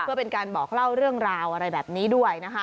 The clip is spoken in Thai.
เพื่อเป็นการบอกเล่าเรื่องราวอะไรแบบนี้ด้วยนะคะ